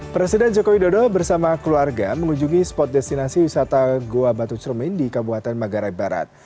presiden jokowi dodo bersama keluarga mengunjungi spot destinasi wisata goa batu cermin di kabupaten manggarai barat